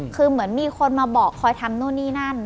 คือเหมือนมีคนมาบอกคอยทำนู่นนี่นั่น